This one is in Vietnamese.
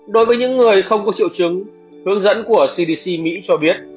đối với những người không có triệu chứng hướng dẫn của cdc mỹ cho biết